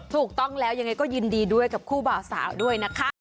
ถูกต้องแล้วยังไงก็ยินดีด้วยกับคู่บ่าวสาวด้วยนะคะ